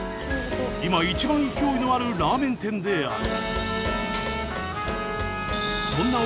今一番勢いのあるラーメン店である。